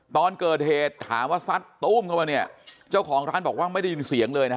ตอนเกิดเหตุถามว่าซัดตู้มเข้ามาเนี่ยเจ้าของร้านบอกว่าไม่ได้ยินเสียงเลยนะฮะ